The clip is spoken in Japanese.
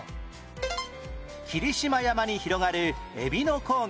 霧島山に広がるえびの高原